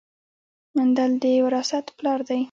مندل د وراثت پلار دی